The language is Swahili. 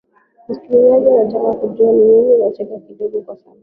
msikilizaji unataka kujua nini nacheka kidogo kwa sababu